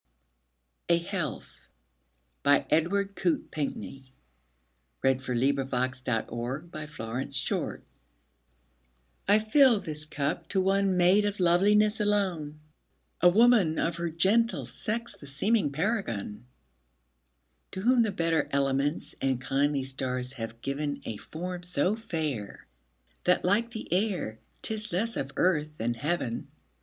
rse. 1912. Edward Coate Pinkney 1802–1828 Edward Coate Pinkney 34 A Health I FILL this cup to one made up of loveliness alone,A woman, of her gentle sex the seeming paragon; To whom the better elements and kindly stars have givenA form so fair, that, like the air, 't is less of earth than heaven.